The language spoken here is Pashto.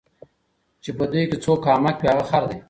چی په دوی کی څوک احمق وي هغه خر دی